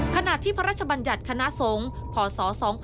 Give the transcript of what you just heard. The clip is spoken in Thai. ขณะที่พระราชบัญญัติคณะทรงพศ๒๔๘๔